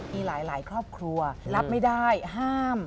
มีหลายครอบครัวรับไม่ได้ห้าม